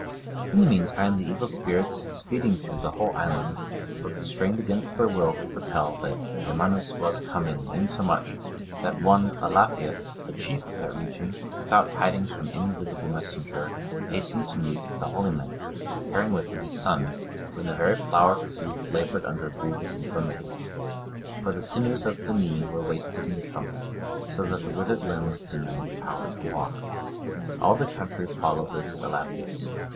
(100) In the meantime, the evil spirits, speeding through the whole island, were constrained against their will to foretell that Germanus was coming, insomuch, that one Elafius, a chief of that region, without tidings from any visible messenger, hastened to meet the holy men, carrying with him his son, who in the very flower of his youth laboured under a grievous infirmity; for the sinews of the knee were wasted and shrunk, so that the withered limb was denied the power to walk. All the country followed this Elafius.